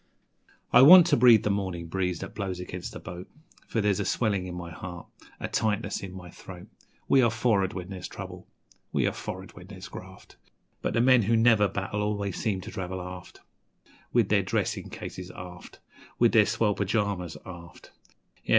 I want to breathe the mornin' breeze that blows against the boat, For there's a swellin' in my heart a tightness in my throat We are for'ard when there's trouble! We are for'ard when there's graft! But the men who never battle always seem to travel aft; With their dressin' cases, aft, With their swell pyjamas, aft Yes!